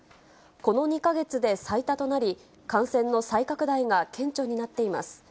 この２か月で最多となり、感染の再拡大が顕著になっています。